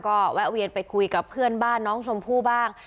ก็แวะเวียนไปคุยกับเพื่อนบ้านน้องชมพู่บ้าง